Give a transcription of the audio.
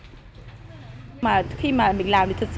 mà khi mà mình làm thì thật ra là hộp quà bóng bay kèm theo hoa hồng lụa